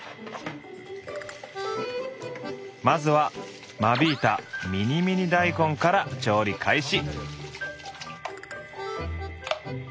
まずは間引いたミニミニ大根から調理開始。